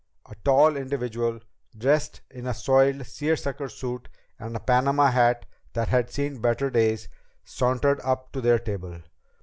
A tall individual, dressed in a soiled seersucker suit and a Panama hat that had seen better days, sauntered up to their table.